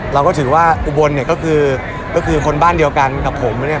เราก็ถือว่าอุบลเนี่ยก็คือก็คือคนบ้านเดียวกันกับผมเนี่ย